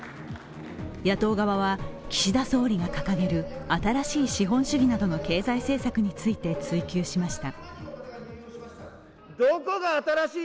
野党側は、岸田総理が掲げる新しい資本主義などの経済政策について追及しました。